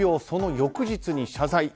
その翌日に謝罪。